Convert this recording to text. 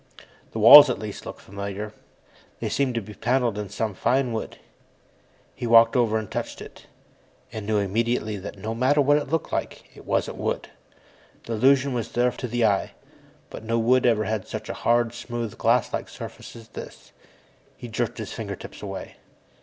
The walls, at least, looked familiar. They seemed to be paneled in some fine wood. He walked over and touched it. And knew immediately that, no matter what it looked like, it wasn't wood. The illusion was there to the eye, but no wood ever had such a hard, smooth, glasslike surface as this. He jerked his fingertips away.